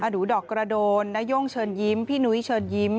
ดูดอกกระโดนนาย่งเชิญยิ้มพี่นุ้ยเชิญยิ้ม